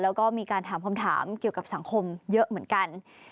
แล้วก็มีการถามคำถามเกี่ยวกับสังคมเยอะเหมือนกัน